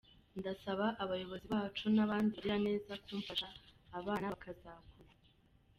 Ndasaba abayobozi bacu n’abandi bagiraneza kumfasha abana bakazakura.